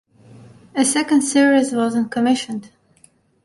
A second series was not commissioned.